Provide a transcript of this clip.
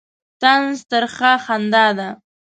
طنز ترخه خندا ده.